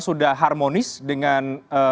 sudah harmonis dengan